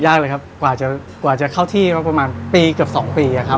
ยากเลยครับกว่าจะเข้าที่ประมาณปีกับสองปีครับ